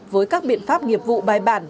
với các biện pháp nghiệp vụ bài bản